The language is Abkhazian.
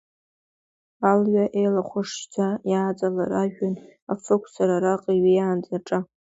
Алҩа еилахәашьӡа иааҵалар ажәҩан, Афы ықәсыр араҟа иҩеиаанӡа аҿа…